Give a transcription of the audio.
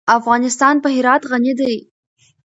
افغانستان په هرات غني دی.